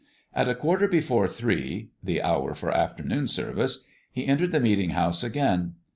At a quarter before three (the hour for afternoon service) he entered the meeting house again.